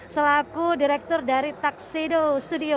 selaku direktur dari taksedo studio